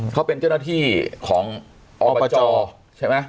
เขาเป็นเจ้าหน้าที่ของอบจใช่ไหม